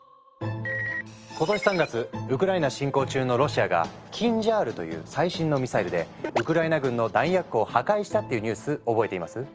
今年３月ウクライナ侵攻中のロシアが「キンジャール」という最新のミサイルでウクライナ軍の弾薬庫を破壊したっていうニュース覚えています？